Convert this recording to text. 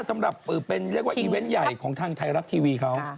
สำหรับเป็นเรียกว่าอีเวนต์ใหญ่ของทางไทยรัฐทีวีเขา